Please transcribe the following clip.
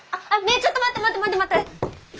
ちょっと待って待って待って待って。